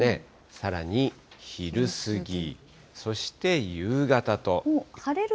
さらに昼過ぎ、そして夕方と。